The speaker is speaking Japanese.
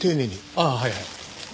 ああはいはい。